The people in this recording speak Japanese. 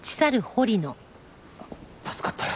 助かったよ。